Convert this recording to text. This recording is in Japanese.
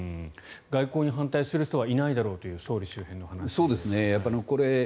外交に反対する人はいないだろうという総理周辺の人の話ですが。